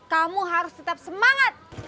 kamu harus tetap semangat